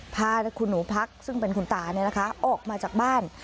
พาคุณหนูพักษณ์ซึ่งเป็นคุณตาเนี่ยนะคะออกมาจากบ้าน